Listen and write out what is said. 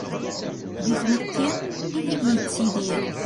Di tmetti ideg-i yettidir.